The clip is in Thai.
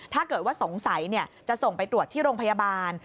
ถ้าเกิดว่าสงสัยจะส่งไปตรวจที่โรงพยาบาล